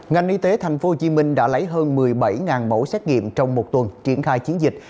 ngành y tế tp hcm đã lấy hơn một mươi bảy mẫu xét nghiệm trong một tuần triển khai chiến dịch